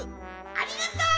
ありがとう！